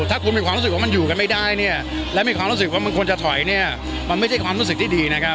ถ้าคุณมีความรู้สึกว่ามันอยู่กันไม่ได้เนี่ยและมีความรู้สึกว่ามันควรจะถอยเนี่ยมันไม่ใช่ความรู้สึกที่ดีนะครับ